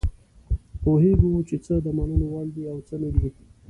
پوهیږو چې څه د منلو وړ دي او څه نه دي.